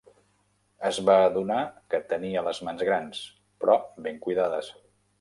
Es va adonar que tenia les mans grans, però ben cuidades.